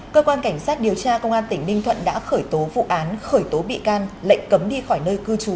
cơ quan cảnh sát điều tra công an tỉnh ninh thuận đã khởi tố vụ án khởi tố bị can lệnh cấm đi khỏi nơi cư trú